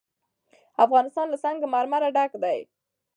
افغانستان له سنگ مرمر ډک دی.